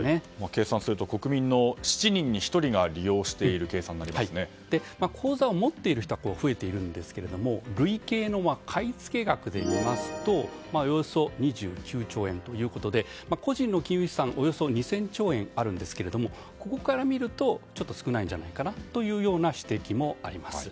計算すると国民の７人に１人が利用している口座を持っている人は増えているんですけれども累計の買い付け額でみますとおよそ２９兆円ということで個人の金融資産はおよそ２０００兆円あるんですけれどもここから見るとちょっと少ないんじゃないかという指摘もあります。